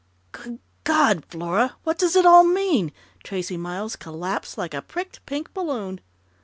"Good God, Flora! What does it all mean?" Tracey Miles collapsed like a pricked pink balloon.